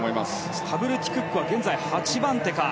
スタブルティ・クックは現在８番手か。